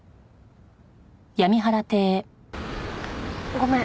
ごめん。